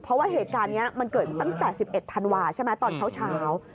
เพราะว่าเหตุการณ์นี้มันเกิดตั้งแต่๑๑ธันวาใช่ไหมตอนเช้า